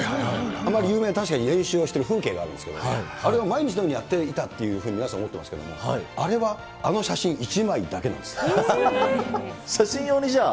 あまり有名で、確かに練習してる風景があるんですけど、あれを毎日のようにやっていたというふうに皆さん思ってますけど、あれは、写真用にじゃあ？